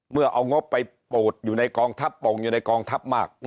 เมื่อเอางบไปปูดอยู่ในกองทัพปงอยู่ในกองทัพมาก